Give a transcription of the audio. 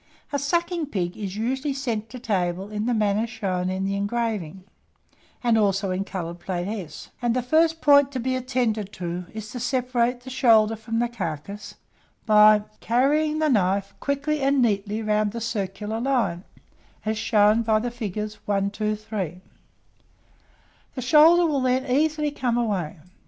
A sucking pig is usually sent to table in the manner shown in the engraving (and also in coloured plate S), and the first point to be attended to is to separate the shoulder from the carcase, by carrying the knife quickly and neatly round the circular line, as shown by the figures 1, 2, 3; the shoulder will then easily come away.